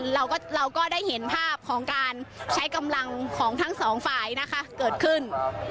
เราก็ได้เห็นภาพของการใช้กำลังของทั้งสองฝ่ายนะคะเกิดขึ้น